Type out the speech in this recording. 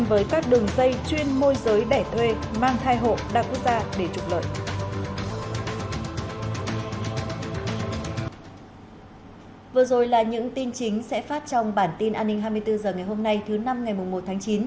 vừa rồi là những tin chính sẽ phát trong bản tin an ninh hai mươi bốn h ngày hôm nay thứ năm ngày một tháng chín